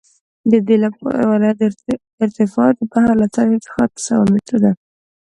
د دې ولایت ارتفاع د بحر له سطحې څخه اته سوه متره ده